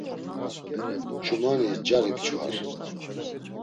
Ç̆umani cari p̌ç̌var.